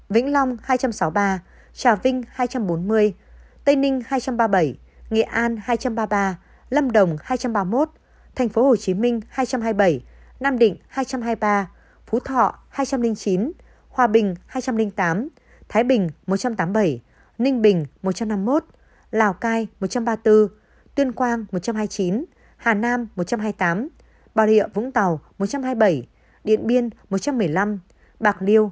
vĩnh long hai trăm sáu mươi ba trà vinh hai trăm bốn mươi tây ninh hai trăm ba mươi bảy nghệ an hai trăm ba mươi ba lâm đồng hai trăm ba mươi một tp hcm hai trăm hai mươi bảy nam định hai trăm hai mươi ba phú thọ hai trăm linh chín hòa bình hai trăm linh tám thái bình một trăm tám mươi bảy ninh bình một trăm năm mươi một lào cai một trăm ba mươi bốn tuyên quang một trăm hai mươi chín hà nam một trăm hai mươi tám bà rịa vũng tàu một trăm hai mươi bảy điện biên một trăm một mươi năm bạc liêu một trăm một mươi bảy